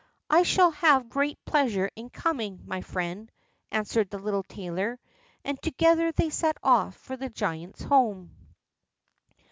"I shall have great pleasure in coming, my friend," answered the little tailor, and together they set off for the giant's home.